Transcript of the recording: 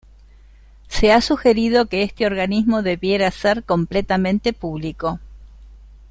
Se ha sugerido que este organismo debiera ser completamente público.